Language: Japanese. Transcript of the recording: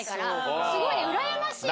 すごい。